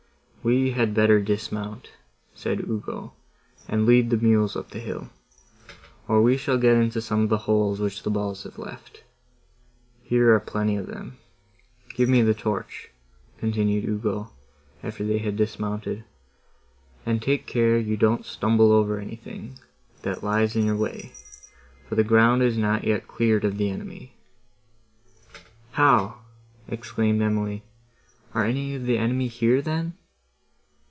"We had better dismount," said Ugo, "and lead the mules up the hill, or we shall get into some of the holes, which the balls have left. Here are plenty of them. Give me the torch," continued Ugo, after they had dismounted, "and take care you don't stumble over anything, that lies in your way, for the ground is not yet cleared of the enemy." "How!" exclaimed Emily, "are any of the enemy here, then?"